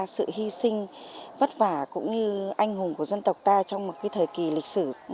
sự hy sinh vất vả cũng như anh hùng của dân tộc ta trong một thời kỳ lịch sử